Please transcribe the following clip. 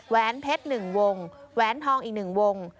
แวนเพชร๑วงแหวนทองอีก๑วง